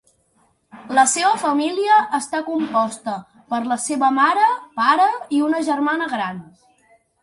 La seva família està composta per la seva mare, pare, i una germana gran.